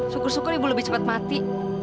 syukur syukur ibu lebih cepat mati